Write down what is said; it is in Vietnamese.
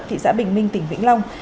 thị xã bình minh tỉnh vĩnh long